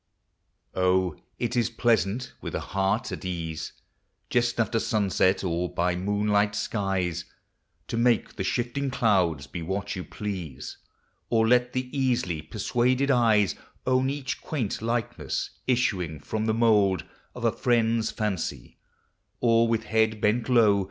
O, it is pleasant, with a heart at ease, Just after sunset, or by moonlight skies, To make the shifting clouds be what you please Or let the easily persuaded eyes Own each quaint likeness issuing from the inoulc Of a friend's fancy; or, with head bent low.